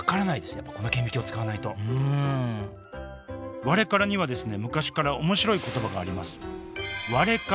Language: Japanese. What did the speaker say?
やっぱこの顕微鏡使わないとうんワレカラには昔から面白い言葉があります